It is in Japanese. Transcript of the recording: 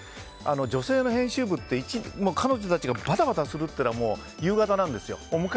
女性の編集部って彼女たちがバタバタするのはもう夕方なんですよ。